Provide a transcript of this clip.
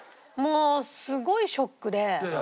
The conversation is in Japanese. もうすごいショックで。